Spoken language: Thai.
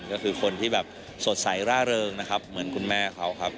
ก็คือคนที่แบบสดใสร่าเริงนะครับเหมือนคุณแม่เขาครับ